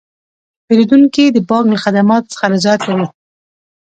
پیرودونکي د بانک له خدماتو څخه رضایت لري.